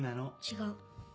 違う。